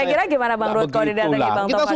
kira kira bagaimana bang ruhut kalau datang ke bang topak